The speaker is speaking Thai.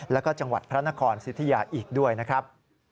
แล้วก็จังหวัดพระนครสิทธิยาอีกด้วยนะครับ